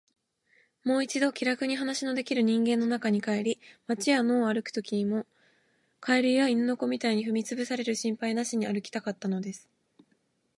もう一度、気らくに話のできる人間の中に帰り、街や野を歩くときも、蛙や犬の子みたいに踏みつぶされる心配なしに歩きたかったのです。